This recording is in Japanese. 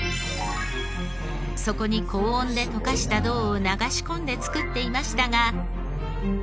そこに高温で溶かした銅を流し込んで作っていましたが。